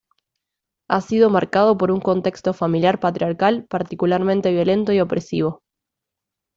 Ha sido marcado por un contexto familiar patriarcal particularmente violento y opresivo.